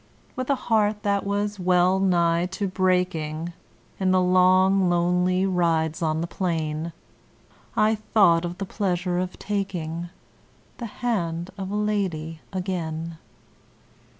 With a heart that was well nigh to breaking, In the long, lonely rides on the plain, I thought of the pleasure of taking The hand of a lady again.